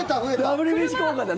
ＷＢＣ効果だ。